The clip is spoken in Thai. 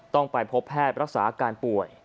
ต้องไปพบแพทย์รักษาอาการป่วย